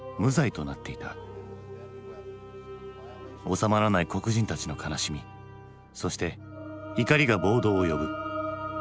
収まらない黒人たちの悲しみそして怒りが暴動を呼ぶ。